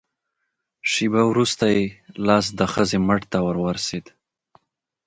شېبه وروسته يې لاس د ښځې مټ ته ور ورسېد.